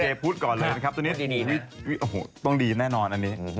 อันนี้เฮ่ยโอ้โหต้องดีแน่นอนอันนี้